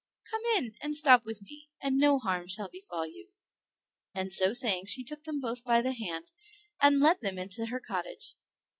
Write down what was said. Come in and stop with me, and no harm shall befall you;" and so saying she took them both by the hand, and led them into her cottage.